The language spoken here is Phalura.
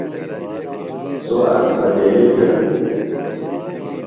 سوۡ اسپتیلیۡ تھےۡ گُوم۔